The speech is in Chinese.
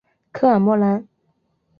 科尔莫兰。